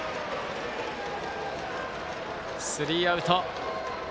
スリーアウト。